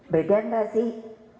beda enggak sih